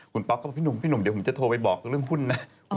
คุณพร้อมพล็อคค่ะพี่หนุ่มเดี๋ยวผมจะโทรไปบอกเรื่องหุ่นน่ะ